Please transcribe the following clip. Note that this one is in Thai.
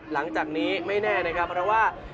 หลังจากนี้ไม่แน่นะครับเพราะว่า